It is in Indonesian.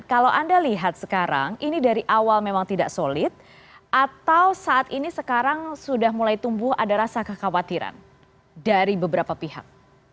kalau anda lihat sekarang ini dari awal memang tidak solid atau saat ini sekarang sudah mulai tumbuh ada rasa kekhawatiran dari beberapa pihak